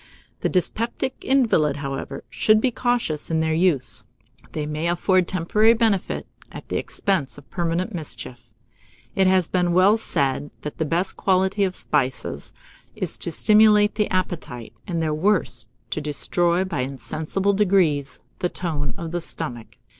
The dyspeptic invalid, however, should be cautious in their use; they may afford temporary benefit, at the expense of permanent mischief. It has been well said, that the best quality of spices is to stimulate the appetite, and their worst to destroy, by insensible degrees, the tone of the stomach.